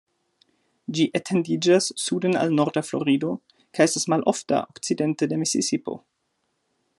Ĝi etendiĝas suden al norda Florido, kaj estas malofta okcidente de la Misisipo.